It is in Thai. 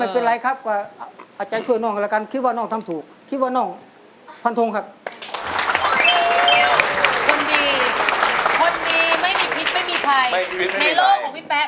ไม่เคยว่าใครเลยนะดีไม่เคยว่าใครเลยนะครับ